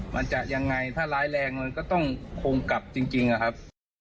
มันจะยังไงถ้าร้ายแรงมันก็ต้องคงกลับจริงอะครับ